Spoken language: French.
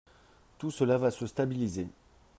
Tout cela va se stabiliser.